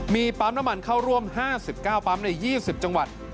มีปั๊มน้ำมันเข้าร่วม๕๙ปั๊มใน๒๐จังหวัด